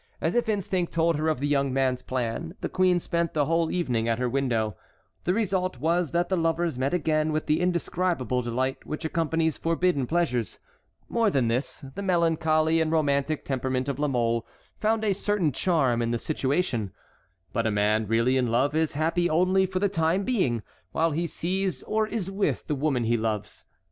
As if instinct told her of the young man's plan, the queen spent the whole evening at her window. The result was that the lovers met again with the indescribable delight which accompanies forbidden pleasures. More than this, the melancholy and romantic temperament of La Mole found a certain charm in the situation. But a man really in love is happy only for the time being, while he sees or is with the woman he loves.